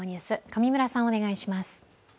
上村さん、お願いします。